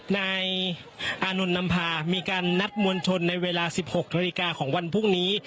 นายอานนท์นำพามีการนัดมวลชนในเวลา๑๖นาฬิกาของวันพรุ่งนี้